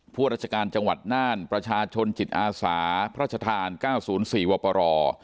พวกราชการจังหวัดน่านประชาชนจิตอาสาพระชธาน๙๐๔วปร